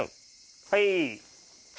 はい。